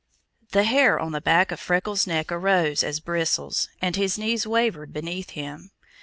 The hair on the back of Freckles' neck arose as bristles, and his knees wavered beneath him.